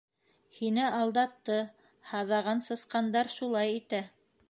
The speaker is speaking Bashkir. Һине алдатты, һаҙаған сысҡандар шулай итә.